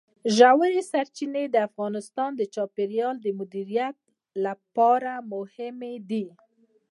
ژورې سرچینې د افغانستان د چاپیریال د مدیریت لپاره مهم دي.